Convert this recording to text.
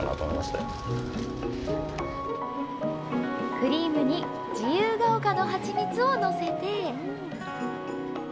クリームに自由が丘の蜂蜜を載せて。